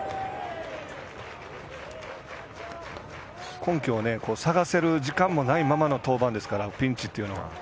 根拠を探せる時間もないままの登板ですから、ピンチというのは。